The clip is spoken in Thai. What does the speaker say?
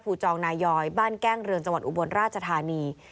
จองนายอยบ้านแก้งเรืองจังหวัดอุบลราชธานี